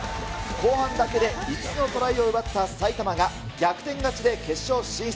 後半だけで５つのトライを奪った埼玉が、逆転勝ちで決勝進出。